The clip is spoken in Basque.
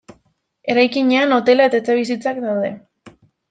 Eraikinean hotela eta etxebizitzak daude.